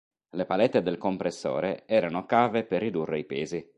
Le palette del compressore erano cave per ridurre i pesi.